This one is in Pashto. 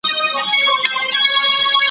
له کښې پورته د مرغیو ترانې وې